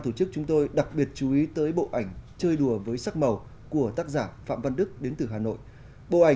thì nó đều đi qua bên kia